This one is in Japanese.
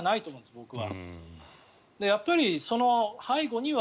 僕は。